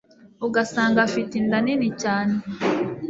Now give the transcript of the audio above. ugasanga afite inda nini cyane.